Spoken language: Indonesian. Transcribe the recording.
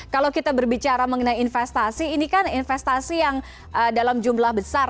kalau kita berbicara mengenai investasi ini kan investasi yang dalam jumlah besar